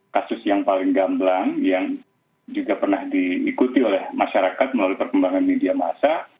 kasus yang paling gamblang yang juga pernah diikuti oleh masyarakat melalui perkembangan media massa